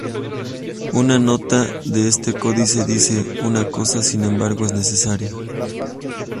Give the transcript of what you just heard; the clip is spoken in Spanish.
Una nota de este códice dice:""Una cosa, sin embargo, es necesaria.